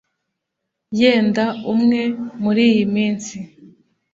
yenda umwe muriyi minsi